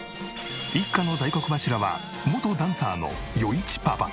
一家の大黒柱は元ダンサーの余一パパ。